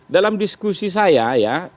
dalam diskusi saya ya